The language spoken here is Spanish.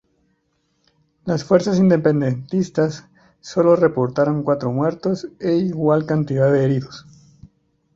Las fuerzas independentistas solo reportaron cuatro muertos e igual cantidad de heridos.